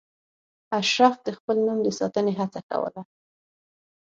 اشراف د خپل نوم د ساتنې هڅه کوله.